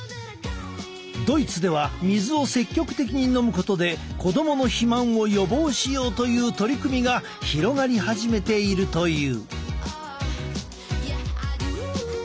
ドイツでは水を積極的に飲むことで子供の肥満を予防しようという取り組みが広がり始めているという。